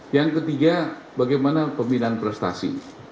yang ketiga bagaimana pembinaan prestasi